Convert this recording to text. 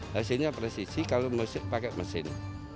hasilnya presisi kalau pakai mesin